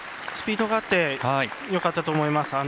スピードがあってよかったと思います。